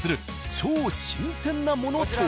超新鮮なものとは？